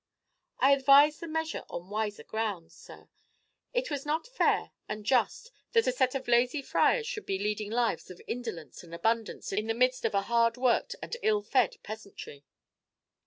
"I advised the measure on wiser grounds, sir. It was not fair and just that a set of lazy friars should be leading lives of indolence and abundance in the midst of a hard worked and ill fed peasantry."